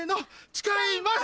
誓います。